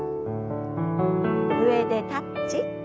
上でタッチ。